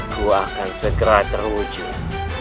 aku akan segera terwujud